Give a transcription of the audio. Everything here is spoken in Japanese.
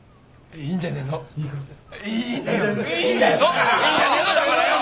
いいんじゃねえのだからよ。